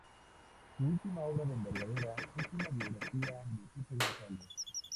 Su última obra de envergadura es una biografía de Pepe González.